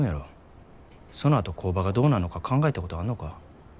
そのあと工場がどうなんのか考えたことあんのか？